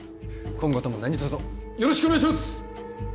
今後とも何とぞよろしくお願いします！